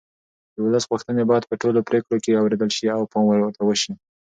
د ولس غوښتنې باید په ټولو پرېکړو کې اورېدل شي او پام ورته وشي